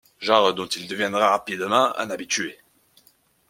Genre dont il deviendra rapidement un habitué.